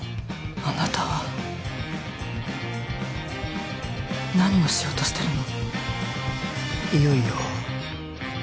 あなたは何をしようとしてるの？